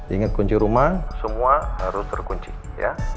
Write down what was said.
ingat kunci rumah semua harus terkunci ya